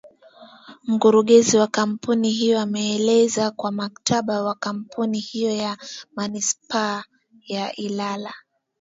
Mkurugenzi wa Kampuni hiyo ameeleza kuwa mkataba wa kampuni hiyo na Manispaa ya Ilala